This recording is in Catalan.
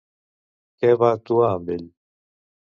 Què va actuar amb ell?